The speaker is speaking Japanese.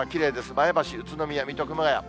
前橋、宇都宮、水戸、熊谷。